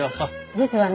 実はね